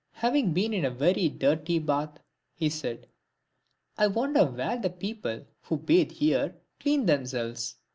Having been in a very dirty bath, he said, " I wonder where the people, who bathe here, clean themselves."